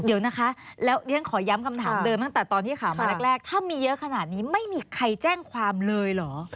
เดี๋ยวนะคะแล้วเรียนขอย้ำคำถามเดิมตั้งแต่ตอนที่ข่าวมาแรกถ้ามีเยอะขนาดนี้ไม่มีใครแจ้งความเลยเหรอ